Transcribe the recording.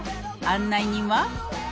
「案内人は」